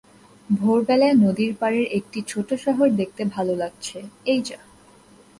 ভোরবেলায় নদীর পাড়ের একটি ছোট শহর দেখতে ভালো লাগছে, এই যা!